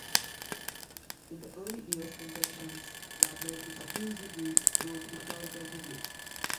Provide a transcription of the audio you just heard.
In the early years, inductions were made exclusively through historical review.